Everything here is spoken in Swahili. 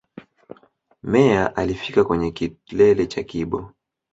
Meyer alifika kwenye kilele cha Kibo